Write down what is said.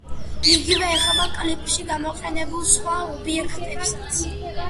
იგივე ეხება კლიპში გამოყენებულ სხვა ობიექტებსაც.